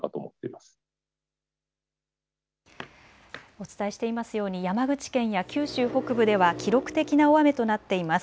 お伝えしていますように山口県や九州北部では記録的な大雨となっています。